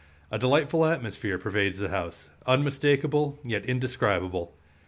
A delightful atmosphere pervades the house, unmistakable, yet indescribable.